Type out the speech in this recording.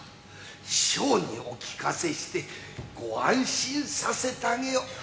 師匠にお聞かせしてご安心させてあげよ。